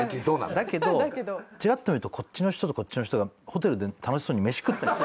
だけどチラッと見るとこっちの人とこっちの人がホテルで楽しそうに飯食ってる。